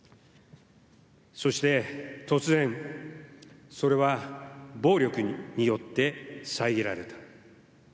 そして、突然それは暴力によって遮られた。